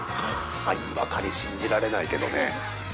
にわかに信じられないけどね。